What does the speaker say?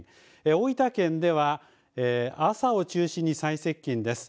大分県では朝を中心に最接近です。